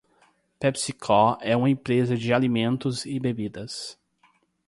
PepsiCo é uma empresa de alimentos e bebidas.